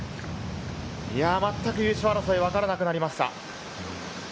いや、まったく優勝争いが分からなくなりました。